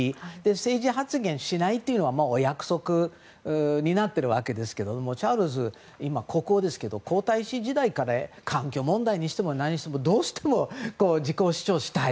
政治発言をしないというのはお約束になってるわけですけどチャールズは今、国王ですけど皇太子時代から環境問題にしても何にしても、どうしても自己主張したい。